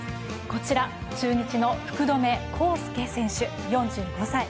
こちら中日の福留孝介選手、４５歳。